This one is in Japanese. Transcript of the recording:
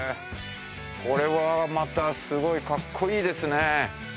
これはまたすごいかっこいいですね。